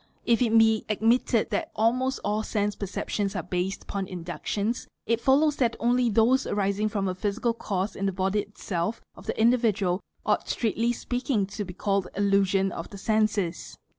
If it be admitted that almost all sense Bception: are based upon inductions, it follows that only those arising $FA,.. ay: rom a physical cause in the body itself of the individual ought strictly je peaking to be called "illusions of the senses."